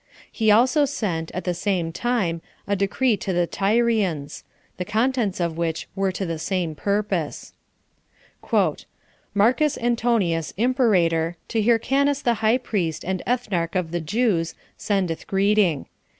He also sent, at the same time, a decree to the Tyrians; the contents of which were to the same purpose. 3. "Marcus Antonius, imperator, to Hyrcanus the high priest and ethnarch of the Jews, sendeth greeting.